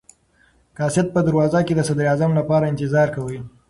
قاصد په دروازه کې د صدراعظم لپاره انتظار کاوه.